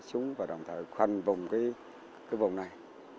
chúng và đồng thời khoanh vùng cái vùng này